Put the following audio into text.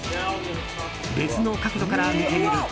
別の角度から見てみると。